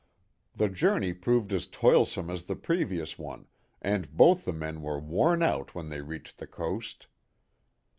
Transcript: The journey proved as toilsome as the previous one, and both the men were worn out when they reached the coast.